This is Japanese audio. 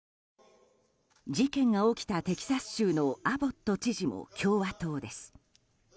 事件が起きたテキサス州のアボット知事も共和党です。